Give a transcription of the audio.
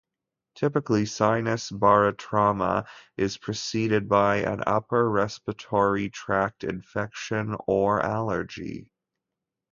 Typically, sinus barotrauma is preceded by an upper respiratory tract infection or allergy.